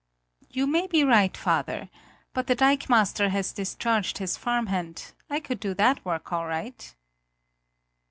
"You may be right, father, but the dikemaster has discharged his farmhand; I could do that work all right!"